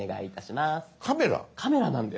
カメラなんです。